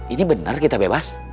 ini bener kita bebas